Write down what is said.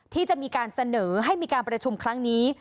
ที่จะมีการเสนอให้มีการประชุมครั้งนี้